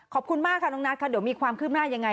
ขอบคุณมากค่ะน้องนัทค่ะเดี๋ยวมีความคืบหน้ายังไง